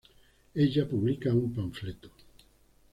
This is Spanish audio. ella publica un panfleto